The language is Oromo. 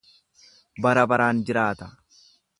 Bara baraan jiraata.